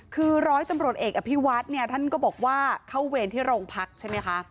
คือร้อยตำรวจเอกอภิวัฒน์เนี่ยท่านก็บอกว่าเข้าเวรที่โรงพักใช่ไหมคะ